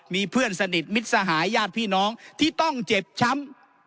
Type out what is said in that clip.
มีเพื่อนสนิทมิตรสหายญาติพี่น้องที่ต้องเจ็บช้ำ